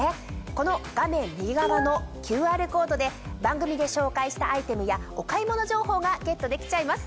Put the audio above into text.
この画面右側のＱＲコードで番組で紹介したアイテムやお買い物情報がゲットできちゃいます。